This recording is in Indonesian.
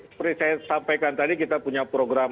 seperti saya sampaikan tadi kita punya program